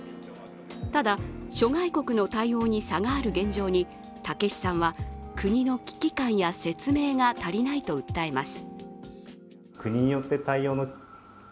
ただ、諸外国の対応に差がある現状に武子さんは、国の危機感や説明が足りないと訴えます。